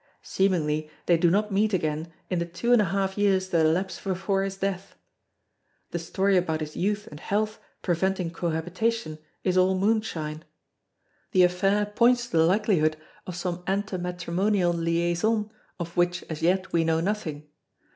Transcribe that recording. Seemingly they do not meet again in the two and a half years that elapse before his death. The story about his youth and health preventing cohabitation is all moonshine. The affair points to the likelihood of some ante matrimonial liaison of which, as yet, we know nothing.